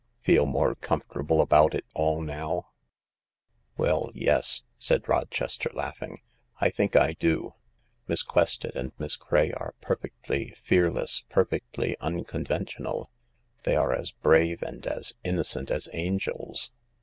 Feel more comfortable about it all now ?"" Well, yes;" said Rochester laughing. " I think I do. Miss Quested and Miss Craye are perfectly fearless, perfectly unconventional. They are as brave and as innocent as angels.